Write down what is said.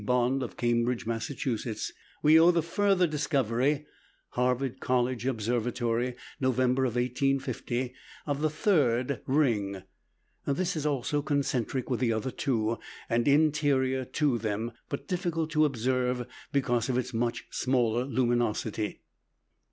Bond, of Cambridge, Mass., we owe the further discovery (Harvard College Observatory, November, 1850) of the third ring. This is also concentric with the other two, and interior to them, but difficult to observe, because of its much smaller luminosity.